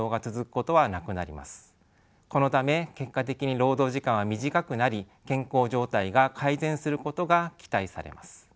このため結果的に労働時間は短くなり健康状態が改善することが期待されます。